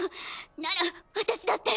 なら私だって。